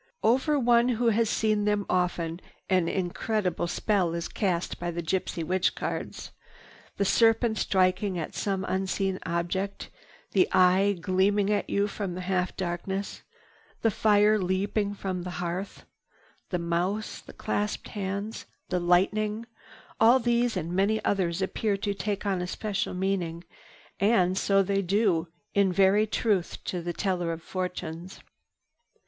Over one who has seen them often an indescribable spell is cast by the gypsy witch cards. The serpent striking at some unseen object; the eye, gleaming at you from the half darkness; the fire leaping from the hearth; the mouse; the clasped hands; the lightning—all these and many others appear to take on a special meaning. And so they do in very truth to the teller of fortunes.